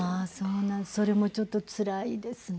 あそれもちょっとつらいですね。